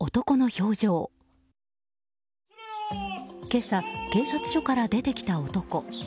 今朝、警察署から出てきた男。